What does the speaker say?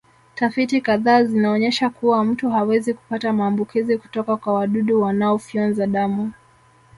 Tafiti kadhaa zinaonyesha kuwa mtu hawezi kupata maambukizi kutoka kwa wadudu wanaofyonza damu